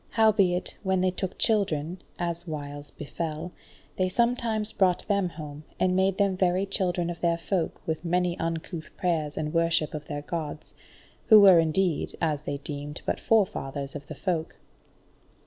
Howbeit, when they took children, as whiles befell, they sometimes brought them home, and made them very children of their Folk with many uncouth prayers and worship of their Gods, who were indeed, as they deemed, but forefathers of the Folk.